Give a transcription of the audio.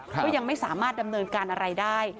ก็ยังไม่สามารถดำเนินการอะไรได้